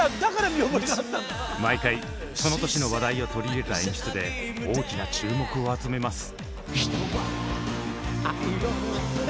毎回その年の話題を取り入れた演出で大きな注目を集めます。